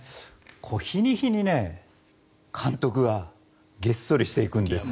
日に日に、監督がげっそりしていくんですね。